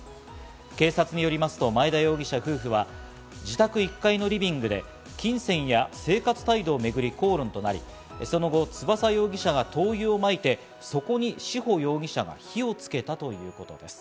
警察によりますと前田容疑者夫婦は自宅１階のリビングで金銭や生活態度をめぐり口論となり、その後、翼容疑者が灯油をまいて、そこに志保容疑者が火をつけたということです。